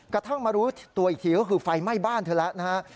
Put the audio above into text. กระทั่งมารู้ตัวอีกทีก็คือไฟไหม้บ้านเธอแล้วนะฮะ